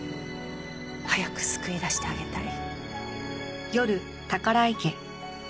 早く救い出してあげたい。